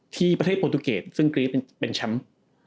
ที่ประเทศโปรตุเกรดซึ่งกรี๊ดเป็นชำ